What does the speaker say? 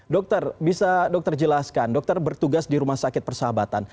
dokter bisa dokter jelaskan dokter bertugas di rumah sakit persahabatan